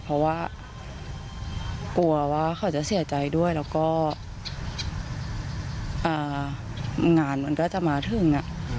เพราะว่ากลัวว่าเขาจะเสียใจด้วยแล้วก็งานมันก็จะมาถึง